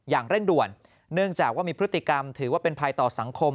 อย่างเร่งด่วนเนื่องจากว่ามีพฤติกรรมถือว่าเป็นภัยต่อสังคม